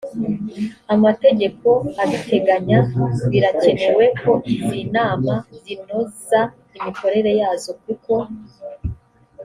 amategeko abiteganya birakenewe ko izi nama zinoza imikorere yazo kuko